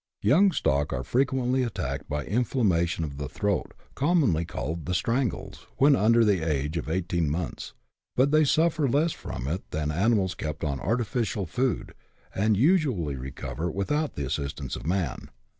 Young stock are frequently attacked by inflammation of the throat, commonly called " the strangles," when under the age of eighteen months ; but they suffer less from it than animals kept on artificial food, and usually recover without the assistance of man.